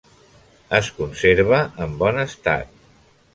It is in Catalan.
Es conserva en bon estat.